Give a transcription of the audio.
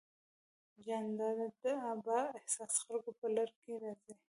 جانداد د بااحساسه خلکو په لړ کې راځي.